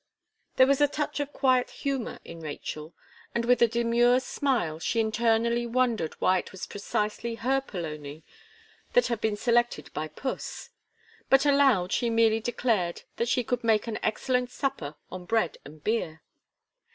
There was a touch of quiet humour in Rachel, and with a demure smile, she internally wondered why it was precisely her polony that had been selected by puss, but aloud she merely declared that she could make an excellent supper on bread and beer.